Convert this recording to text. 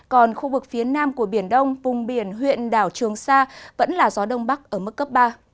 còn khu vực phía nam của biển đông vùng biển huyện đảo trường sa vẫn là gió đông bắc ở mức cấp ba